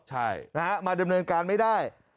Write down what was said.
ใช่นะฮะมาดำเนินการไม่ได้